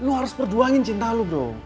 kamu harus berjuang untuk mencintai kamu